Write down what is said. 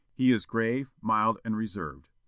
He is grave, mild, and reserved.